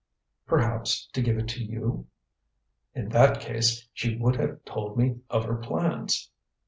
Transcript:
"Perhaps to give it to you." "In that case, she would have told me of her plans."